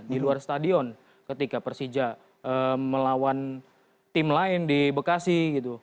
di luar stadion ketika persija melawan tim lain di bekasi